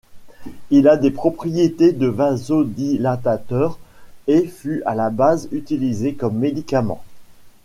Il a des propriétés de vasodilatateur et fut à la base utilisé comme médicament.